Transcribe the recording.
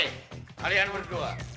hei kalian berdua